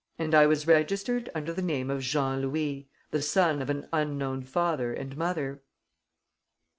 And I was registered under the name of Jean Louis, the son of an unknown father and mother."